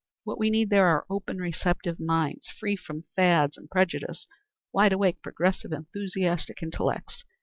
What we need there are open, receptive minds, free from fads and prejudice wide awake, progressive enthusiastic intellects.